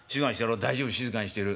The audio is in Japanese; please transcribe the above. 「大丈夫静かにしてる。